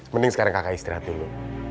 mending sekarang kakak istirahat dulu